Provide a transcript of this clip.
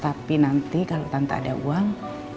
tapi nanti kalau tanpa ada uang